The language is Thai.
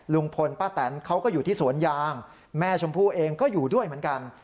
ลุงพลป้าแตนเขาก็อยู่ที่สวนยางแม่ชมพู่เองก็อยู่ด้วยเหมือนกัน